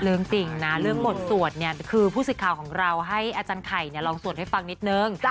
จริงนะเรื่องบทสวดเนี่ยคือผู้สิทธิ์ข่าวของเราให้อาจารย์ไข่ลองสวดให้ฟังนิดนึง